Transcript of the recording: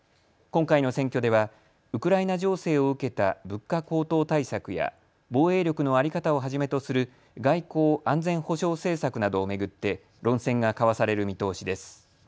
今回の選挙ではウクライナ情勢を受けた物価高騰対策や防衛力の在り方をはじめとする外交・安全保障政策などを巡って論戦が交わされる見通しです。